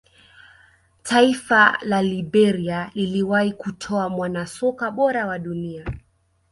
taifa la liberia liliwahi kutoa mwanasoka bora wa dunia